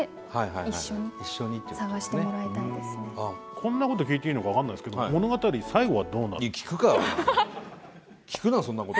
こんなこと聞いていいのか分かんないですけど物語聞くなそんなこと。